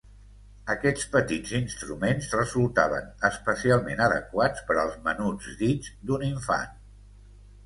Aquests petits instruments resultaven especialment adequats per als menuts dits d'un infant.